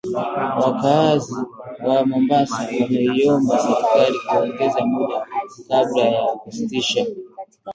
wakaazi wa Mombasa wameiomba serikali kuongeza muda kabla ya kusitisha